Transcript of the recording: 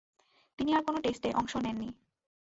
তিনি আর কোন টেস্টে অংশ নেননি।